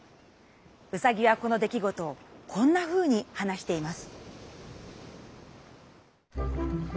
うさぎはこの出来ごとをこんなふうに話しています。